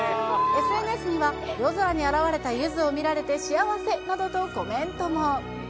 ＳＮＳには、夜空に現れたユヅを見られて幸せなどとコメントも。